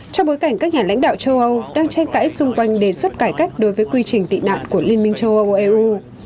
trong bối cảnh các nhà lãnh đạo châu âu đang tranh cãi xung quanh đề xuất cải cách đối với quy trình tị nạn của liên minh châu âu eu